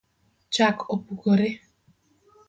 Chak opukore.